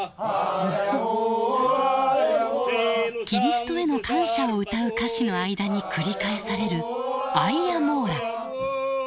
キリストへの感謝を歌う歌詞の間に繰り返される「アイアモーラ」。